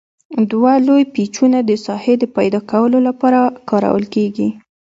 دوه لوی پیچونه د ساحې د پیداکولو لپاره کارول کیږي.